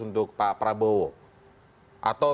untuk pak prabowo